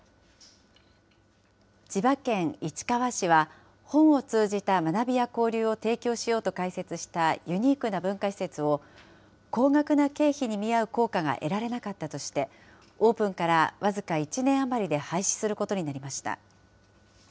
千葉県市川市は、本を通じた学びや交流を提供しようと開設したユニークな文化施設を、高額な経費に見合う効果が得られなかったとして、オープンから僅か１年余りで廃止することになりました。